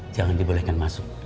jangan dibolehkan masuk